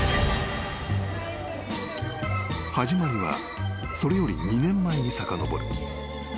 ［始まりはそれより２年前にさかのぼる］